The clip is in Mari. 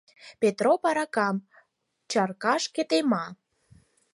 Петроп аракам чаркашке тема.